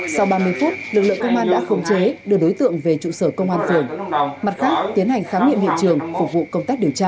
sau ba mươi phút lực lượng công an đã khống chế đưa đối tượng về trụ sở công an phường mặt khác tiến hành khám nghiệm hiện trường phục vụ công tác điều tra